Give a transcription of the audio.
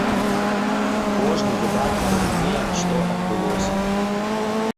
Кожны выдатна разумее, што адбылося.